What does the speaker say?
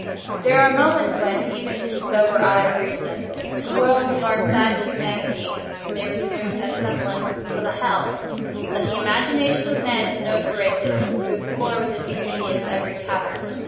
There are moments when, even to the sober eye of Reason, the world of our sad Humanity may assume the semblance of a Hell—but the imagination of man is no Carathis, to explore with impunity its every cavern.